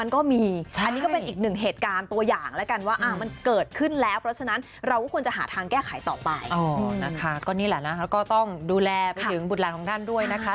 ก็นี่แหละนะคะก็ต้องดูแลไปถึงบุตรหลานของท่านด้วยนะคะ